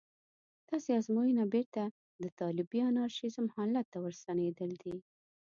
داسې ازموینه بېرته د طالبي انارشېزم حالت ته ورستنېدل دي.